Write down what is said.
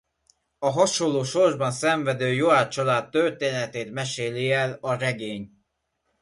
A hasonló sorsban szenvedő Joad család történetét meséli el a regény.